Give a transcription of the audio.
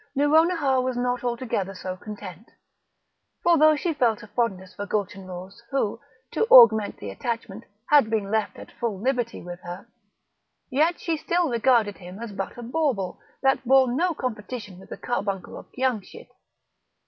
Nouronihar was not altogether so content, for though she felt a fondness for Gulchenrouz, who, to augment the attachment, had been left at full liberty with her, yet she still regarded him as but a bauble, that bore no competition with the carbuncle of Giamschid.